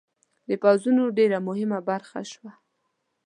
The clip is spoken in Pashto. د پوځونو ډېره مهمه برخه شوه.